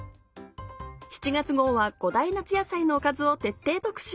７月号は５大夏野菜のおかずを徹底特集。